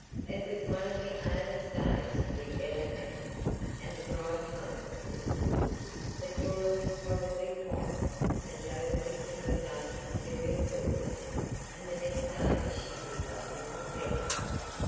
It was one of the A1est days we ever had, and the drive home was good, but Dora was horribly quiet, as though the victim of dark interior thoughts. And the next day she was but little better.